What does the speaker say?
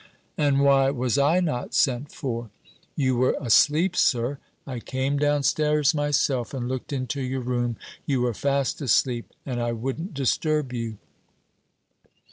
"And why was I not sent for?" "You were asleep, sir. I came downstairs myself, and looked into your room. You were fast asleep, and I wouldn't disturb you."